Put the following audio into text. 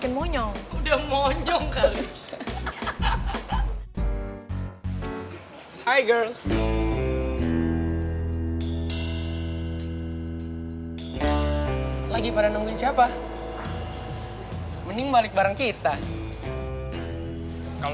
kamu diapain sama mereka